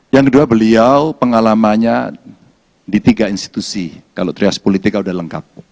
yang kedua beliau pengalamannya di tiga institusi kalau trias politika sudah lengkap